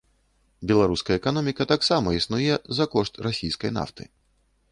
Беларуская эканоміка таксама існуе за кошт расійскай нафты.